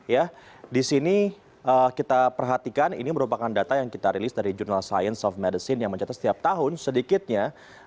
ya di sini kita perhatikan ini merupakan data yang kita rilis dari jurnal science of medicine yang mencatat setiap tahun sedikitnya